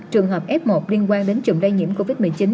trường hợp f một liên quan đến trùng đai nhiễm covid một mươi chín